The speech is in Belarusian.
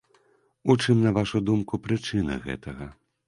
У чым, на вашу думку, прычыны гэтага?